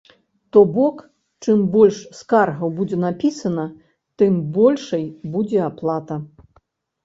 То бок, чым больш скаргаў будзе напісана, тым большай будзе аплата.